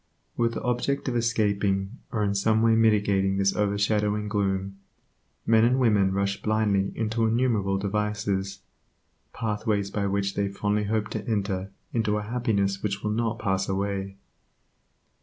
With the object of escaping, or in some way mitigating this overshadowing gloom, men and women rush blindly into innumerable devices, pathways by which they fondly hope to enter into a happiness which will not pass away.